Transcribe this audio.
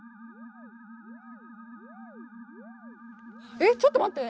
えっちょっと待って。